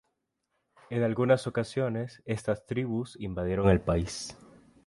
En algunas ocasiones, estas tribus invadieron el país.